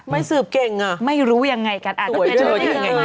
ไม่สืบเก่งหรอสวยเต๋อแย่อย่างไร